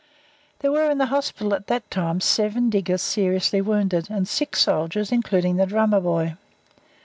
There were in the hospital at that time seven diggers seriously wounded and six soldiers, including the drummer boy.